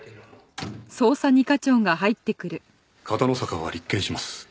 片野坂は立件します。